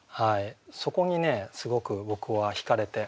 そこにねすごく僕はひかれて。